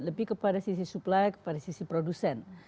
lebih kepada sisi supply kepada sisi produsen